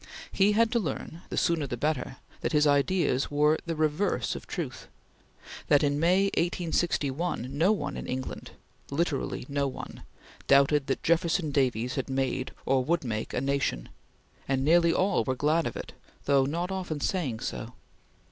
He had to learn the sooner the better that his ideas were the reverse of truth; that in May, 1861, no one in England literally no one doubted that Jefferson Davis had made or would make a nation, and nearly all were glad of it, though not often saying so.